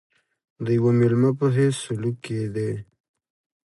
د یوه مېلمه په حیث سلوک کېدی.